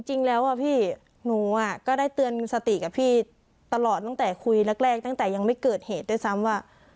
จริงแล้วพี่หนูก็ได้เตือนสติกับพี่ตลอดตั้งแต่คุยแรกตั้งแต่ยังไม่เกิดเหตุด้วยซ้ำว่า